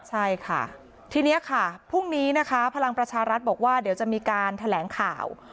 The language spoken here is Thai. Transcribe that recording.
ใช่ค่ะทีนี้ค่ะพรุ่งนี้นะคะพลังประชารัฐบอกว่าเดี๋ยวจะมีการแถลงข่าว